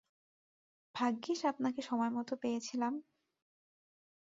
ভাগ্যিস আপনাকে সময়মতো পেয়েছিলাম।